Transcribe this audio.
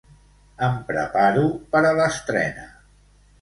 Em preparo per a l'estrena.